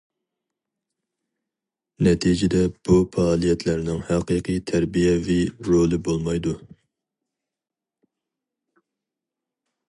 نەتىجىدە، بۇ پائالىيەتلەرنىڭ ھەقىقىي تەربىيەۋى رولى بولمايدۇ.